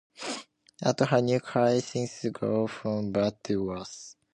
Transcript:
At her new college, things go from bad to worse.